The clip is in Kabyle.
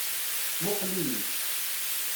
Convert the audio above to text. Muqqel-iyi-d.